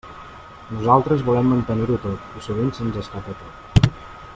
Nosaltres volem mantenir-ho tot, i sovint se'ns escapa tot.